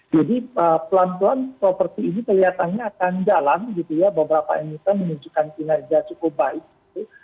jadi pelan pelan properti ini kelihatannya akan jalan gitu ya beberapa emitan menunjukkan kinerja cukup baik gitu